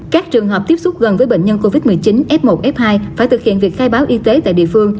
các trường hợp tiếp xúc gần với bệnh nhân covid một mươi chín f một f hai phải thực hiện việc khai báo y tế tại địa phương